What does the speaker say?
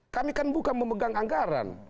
kami kan bukan memegang anggaran